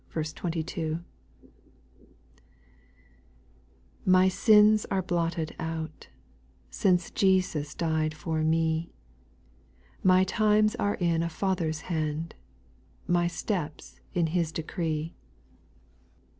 ^TY sins are blotted out, iUL Since Jesus died for me ; My times arc in a Father's hand. My steps in His decree.